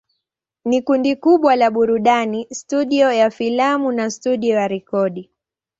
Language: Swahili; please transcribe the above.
Ni kundi kubwa la burudani, studio ya filamu na studio ya rekodi.